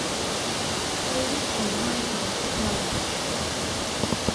Tay vít cành hoa trắng chạnh lòng